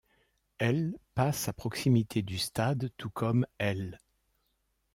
L' passe à proximité du stade, tout comme l'.